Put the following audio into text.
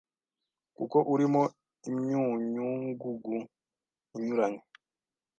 kuko urimo imyunyungugu inyuranye